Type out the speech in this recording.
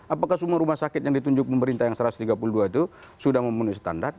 apakah semua rumah sakit yang ditunjuk pemerintah yang satu ratus tiga puluh dua itu sudah memenuhi standar